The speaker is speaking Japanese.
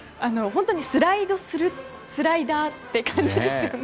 本当にスライドするスライダーっていう感じですよね。